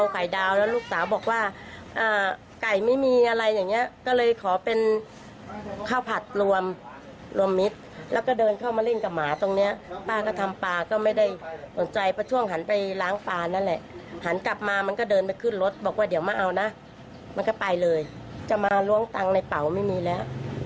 อันกระเป๋าย่ายได้ไปแล้ว